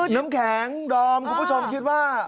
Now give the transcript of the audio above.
น้ำแข็งดอมคุณผู้ชมคิดว่า